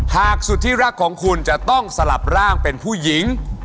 หากสุดที่รักของคุณจะต้องสลับร่างเป็นผู้หญิง